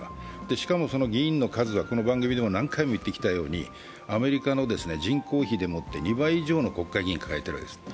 しかも議員の数はこの番組でも何回も言ってきたようにアメリカの人口比の２倍以上の国会議員を抱えているんです。